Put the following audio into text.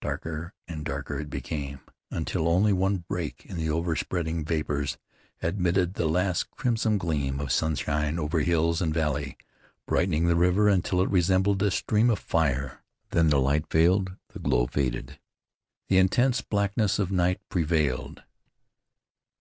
Darker and darker it became, until only one break in the overspreading vapors admitted the last crimson gleam of sunshine over hills and valley, brightening the river until it resembled a stream of fire. Then the light failed, the glow faded. The intense blackness of night prevailed.